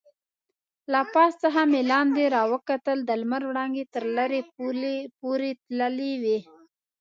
له پاس څخه مې لاندې راوکتل، د لمر وړانګې تر لرې پورې تللې وې.